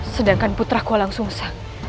sedangkan putraku langsung sang